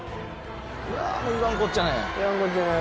うわ言わんこっちゃない。